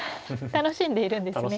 楽しんでいるんです。